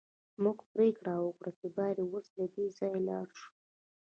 موږ پریکړه وکړه چې باید اوس له دې ځایه لاړ شو